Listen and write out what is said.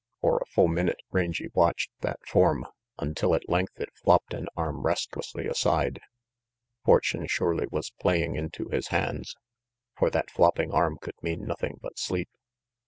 For a full minute Rangy watched that form, until at length it flopped an arm restlessly aside. Fortune surely was playing into his hands, for that flopping arm could mean nothing but sleep.